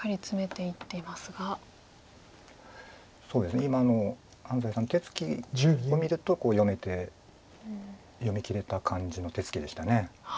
今の安斎さんの手つきを見ると読めて読みきれた感じの手つきでした。